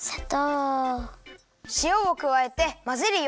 しおをくわえてまぜるよ。